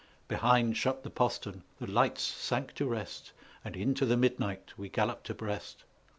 Behind shut the postern, the lights sank to rest, And into the midnight we galloped abreast.